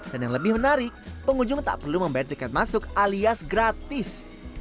dan yang lebih menarik pengunjung tak perlu membayar tiket masuk alias gratis